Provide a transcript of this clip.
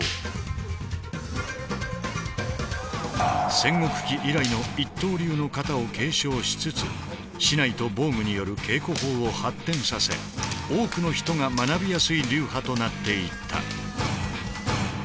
戦国期以来の一刀流の型を継承しつつ竹刀と防具による稽古法を発展させ多くの人が学びやすい流派となっていった。